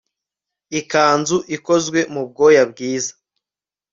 ikanzu ikozwe mu bwoya bwiza